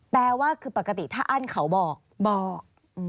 แปลว่าคือปกติถ้าอั้นเขาบอกบอก